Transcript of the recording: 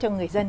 cho người dân